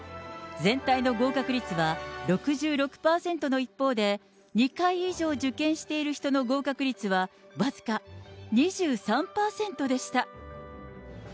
全体の合格率は６６％の一方で、２回以上受験している人の合格率は、僅か２３％でした。